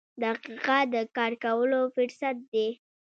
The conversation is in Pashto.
• دقیقه د کار کولو فرصت دی.